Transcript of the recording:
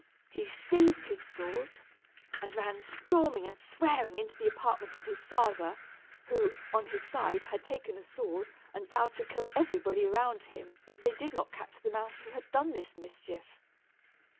He seized his sword, and ran storming and swearing into the apartment of his father, who, on his side, had taken a sword, and vowed to kill everybody around him if they did not catch the mouse who had done this mischief.